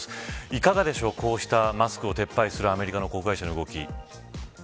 いかがでしょうかマスクを撤廃するアメリカの航空会社の動き。